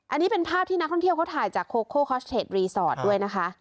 อันนี้เป็นภาพที่นักท่องเที่ยวเขาถ่ายจากโคโคฮอสเทจรีสอร์ทด้วยนะคะ